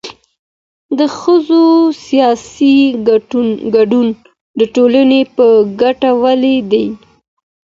د ښځو سياسي ګډون د ټولني په ګټه ولي دی؟